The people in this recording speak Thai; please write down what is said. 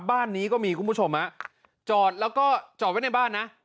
บ้านนี้ก็มีคุณผู้ชมฮะจอดแล้วก็จอดไว้ในบ้านนะ